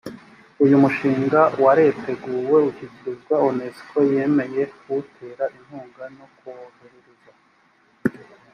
uyu mushinga wareteguwe ushyikirizwa unesco yemeye kuwutera inkunga no kwoherereza